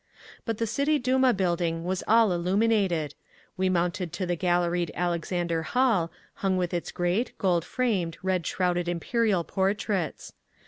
But the City Duma Building was all illuminated. We mounted to the galleried Alexander Hall, hung with its great, gold framed, red shrouded Imperial portraits.